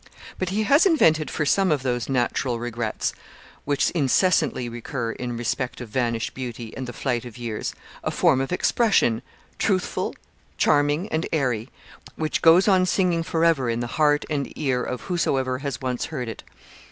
But he has invented for some of those natural regrets which incessantly recur in respect of vanished beauty and the flight of years a form of expression, truthful, charming, and airy, which goes on singing forever in the heart and ear of whosoever has once heard it.